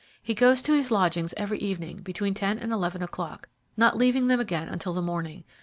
"He goes to his lodgings every evening between ten and eleven o'clock, not leaving them again until the morning.